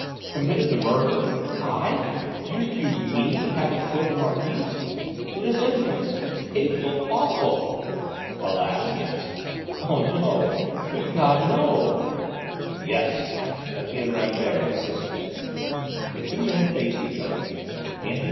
"Committed the murder? I? You accuse me of having killed the Marquise? It is infamous, hateful, awful!" "Alas, yes!" "No, no! Good God, no!" "Yes!" Etienne Rambert insisted. The two men faced each other, panting.